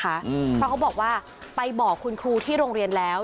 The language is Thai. เพราะเขาบอกว่าไปบอกคุณครูที่โรงเรียนแล้ว